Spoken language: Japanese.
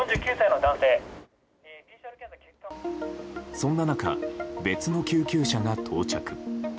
そんな中、別の救急車が到着。